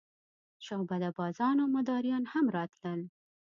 شعبده بازان او مداریان هم راتلل.